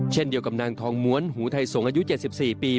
เช่นเดียวกับนางทองม้วนหูไทยสงศ์อายุ๗๔ปี